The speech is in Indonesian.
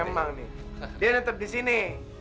memang nih dia tetep disini